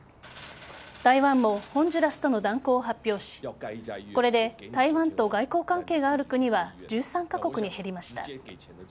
台湾もホンジュラスとの断交を発表しこれで台湾と外交関係がある国は１３カ国に減りました。